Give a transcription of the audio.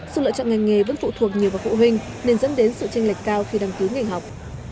sự lựa chọn ngành nghề vẫn phụ thuộc nhiều vào phụ huynh nên dẫn đến sự tranh lệch cao khi đăng ký ngành học